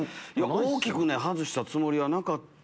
大きく外したつもりはなかった。